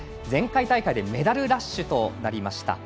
前回大会でメダルラッシュとなりました。